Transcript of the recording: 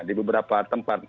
di beberapa tempat